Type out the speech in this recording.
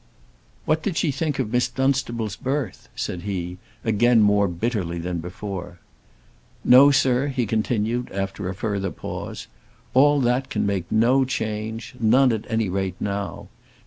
"What did she think of Miss Dunstable's birth?" said he, again more bitterly than before. "No, sir," he continued, after a further pause. "All that can make no change; none at any rate now.